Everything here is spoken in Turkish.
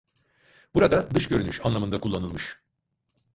Burada "dış görünüş" anlamında kullanılmış.